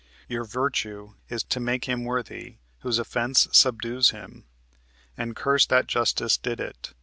Your virtue is To make him worthy whose offense subdues him, And curse that justice did it.